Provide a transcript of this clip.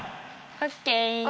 オッケー！